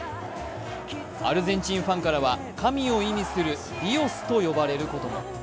アルゼンチンファンからは神を意味するディオスと呼ばれることも。